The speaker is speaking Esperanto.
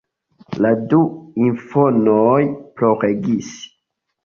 La du infanoj ploregis.